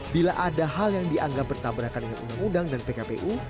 bila ada hal yang dianggap bertabrakan dengan undang undang dan pkpu